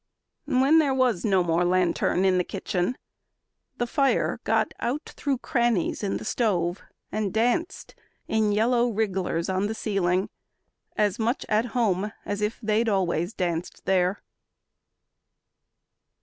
When there was no more lantern in the kitchen, The fire got out through crannies in the stove And danced in yellow wrigglers on the ceiling, As much at home as if they'd always danced there.